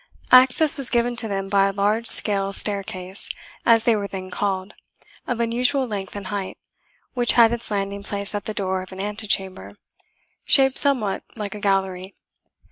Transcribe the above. Access was given to them by a large scale staircase, as they were then called, of unusual length and height, which had its landing place at the door of an antechamber, shaped somewhat like a gallery.